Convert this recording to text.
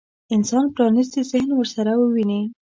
انسان پرانيستي ذهن ورسره وويني.